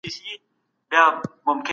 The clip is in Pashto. په لویه جرګه کي امنیت څنګه تامین کېږي؟